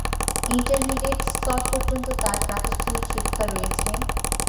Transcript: Intermediate স্তর পর্যন্ত তার প্রাতিষ্ঠানিক শিক্ষা রয়েছে।